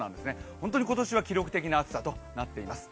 本当に今年は記録的な暑さとなっています。